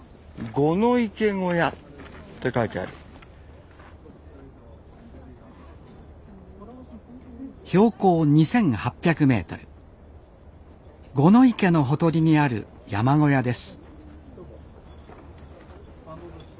五の池のほとりにある山小屋です